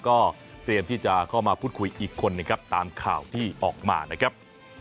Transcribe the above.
ก็เตรียมที่จะเข้ามาพูดคุยอีกคนหนึ่งครับตามข่าวที่ออกมานะครับ